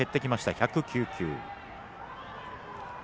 １０９球。